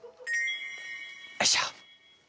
よいしょ。